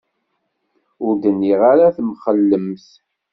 Ur d-nniɣ ara temxellemt.